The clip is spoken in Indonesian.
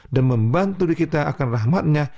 dan membantu kita akan rahmatnya